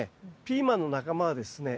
ピーマンの仲間はですね